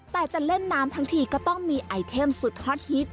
แต่จะเล่นน้ำทั้งทีก็ต้องมีไอเทมสุดฮอตฮิต